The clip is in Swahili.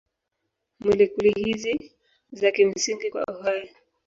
Molekuli hizi ni za kimsingi kwa uhai.